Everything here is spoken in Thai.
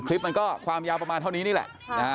คลิปมันก็ความยาวประมาณเท่านี้นี่แหละ